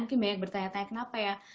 mungkin banyak bertanya tanya kenapa ya